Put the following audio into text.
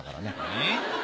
えっ？